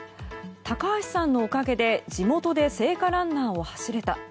高橋さんのおかげで地元で聖火ランナーを走れた。